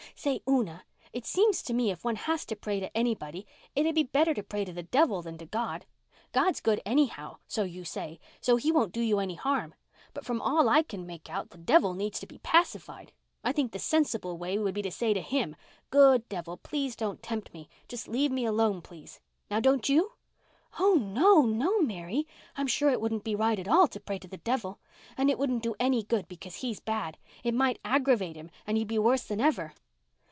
Say, Una, it seems to me if one has to pray to anybody it'd be better to pray to the devil than to God. God's good, anyhow so you say, so He won't do you any harm, but from all I can make out the devil needs to be pacified. I think the sensible way would be to say to him, 'Good devil, please don't tempt me. Just leave me alone, please.' Now, don't you?" "Oh, no, no, Mary. I'm sure it couldn't be right to pray to the devil. And it wouldn't do any good because he's bad. It might aggravate him and he'd be worse than ever."